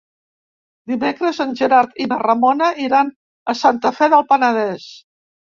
Dimecres en Gerard i na Ramona iran a Santa Fe del Penedès.